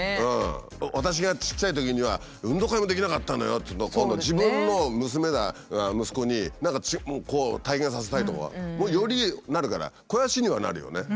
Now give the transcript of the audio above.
私がちっちゃいときには運動会もできなかったのよっていうと今度自分の娘だ息子に何かこう体験させたいとかよりなるから肥やしにはなるよね。